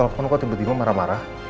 ada apa ini kamu tiba tiba marah marah